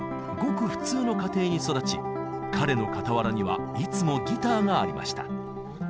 ごく普通の家庭に育ち彼の傍らにはいつもギターがありました。